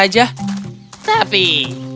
tapi kita harus tidur